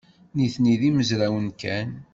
Nitni d imezrawen kan.